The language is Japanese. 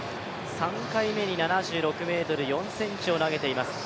３回目に７６ｍ４ｃｍを投げています。